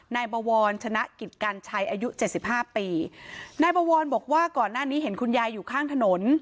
นายบวรชนะกิจกัญชัยอายุเจ็ดสิบห้าปีนายบวรบอกว่าก่อนหน้านี้เห็นคุณยายอยู่ข้างถนน